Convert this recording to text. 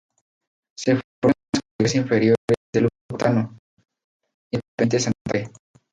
Se formo en la categorías inferiores del club bogotano Independiente Santa Fe.